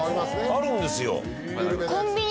あるんですよ。